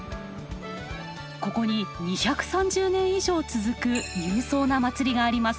ここに２３０年以上続く勇壮な祭りがあります。